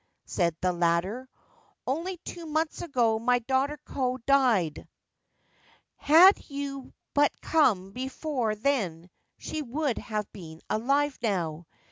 ' said the latter. ' Only two months ago my daughter Ko died. Had you but come before then she would have been alive now.